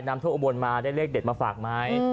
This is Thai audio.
ถ้าโทรอุบวนมาได้เลขเด็ดมาฝากไหม